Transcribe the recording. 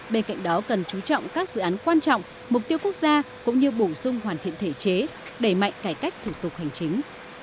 bên cạnh đó cần chú trọng các dự án quan trọng mục tiêu quốc gia cũng như bổ sung hoàn thiện thể chế đẩy mạnh cải cách thủ tục hành chính